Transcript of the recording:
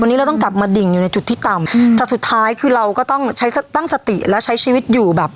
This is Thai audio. วันนี้เราต้องกลับมาดิ่งอยู่ในจุดที่ต่ำแต่สุดท้ายคือเราก็ต้องใช้ตั้งสติแล้วใช้ชีวิตอยู่แบบ